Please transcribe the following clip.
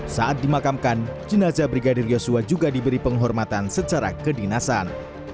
saat dimakamkan jenazah brigadir yosua juga diberi penghormatan secara kedinasan